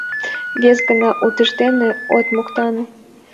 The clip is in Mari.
— Вес гана утыждене от моктане!